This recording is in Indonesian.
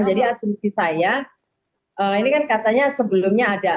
asumsi saya ini kan katanya sebelumnya ada